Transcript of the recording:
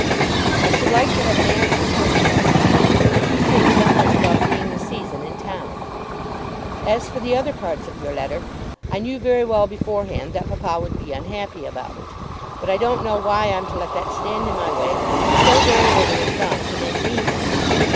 I should like to have an answer to this question. I do think so much about being the season in town! As for the other parts of your letter, I knew very well beforehand that papa would be unhappy about it. But I don't know why I'm to let that stand in my way when so very little is done to make me happy.